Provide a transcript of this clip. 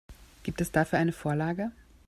Gibt es dafür eine Vorlage?